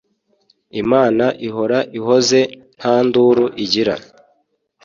Imana ihora ihoze ntanduru igira